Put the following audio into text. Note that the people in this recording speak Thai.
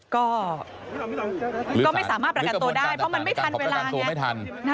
ก็ไม่สามารถประกันตัวได้เพราะมันไม่ทันเวลาไง